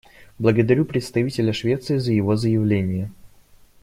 Благодарю представителя Швеции за его заявление.